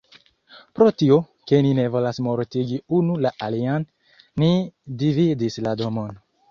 Pro tio, ke ni ne volas mortigi unu la alian, ni dividis la domon.